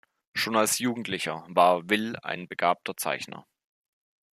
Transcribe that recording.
Schon als Jugendlicher war Will ein begabter Zeichner.